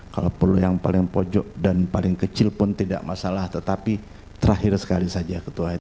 kalau perlu yang paling pojok dan paling kecil pun tidak masalah tetapi terakhir sekali saja ketua rt